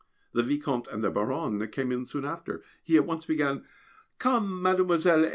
The Vicomte and the Baronne came in soon after; he at once began: "Comme Mlle.